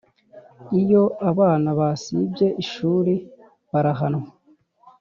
Iyo abana basibye ishuri barahanwa